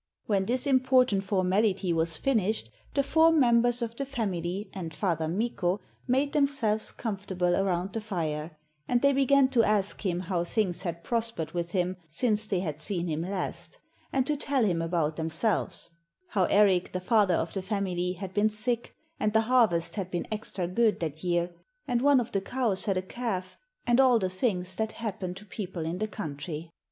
When this important formality was finished the four members of the family and Father Mikko made themselves comfortable around the fire, and they began to ask him how things had prospered with him since they had seen him last, and to tell him about themselves how Erik, the father of the family, had been sick, and the harvest had been extra good that year, and one of the cows had a calf, and all the things that happen to people in the country.